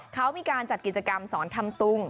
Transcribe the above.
เขามีการจัดกิจกรรมสอนทำตุง